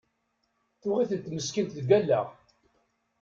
Tuɣ-itent meskint deg allaɣ!